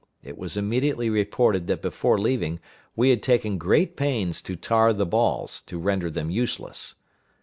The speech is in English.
It was immediately reported that before leaving we had taken great pains to tar the balls, to render them useless.